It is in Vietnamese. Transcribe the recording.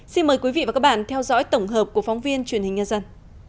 xin mời quý vị và các bạn theo dõi tổng hợp của phóng viên truyền hình nhân dân